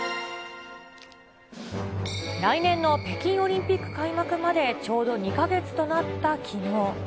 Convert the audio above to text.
来年の北京オリンピック開幕までちょうど２か月となったきのう。